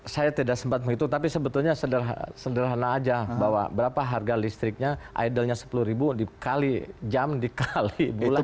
saya tidak sempat menghitung tapi sebetulnya sederhana aja bahwa berapa harga listriknya idolnya sepuluh ribu dikali jam dikali bulan